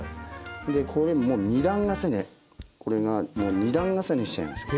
でこれもう２段重ねこれがもう２段重ねにしちゃいます。